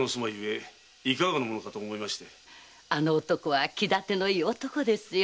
あの男は気立てのいい男ですよ。